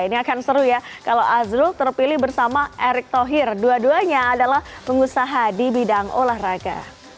ini akan seru ya kalau azrul terpilih bersama erick thohir dua duanya adalah pengusaha di bidang olahraga